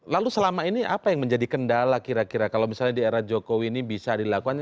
lalu selama ini apa yang menjadi kendala kira kira kalau misalnya di era jokowi ini bisa dilakukan